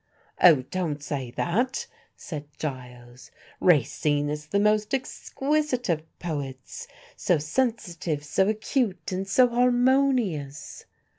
"Oh! don't say that," said Giles, "Racine is the most exquisite of poets, so sensitive, so acute, and so harmonious."